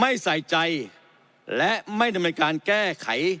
ไม่ใส่ใจและไม่ดำเนินการแก้ไข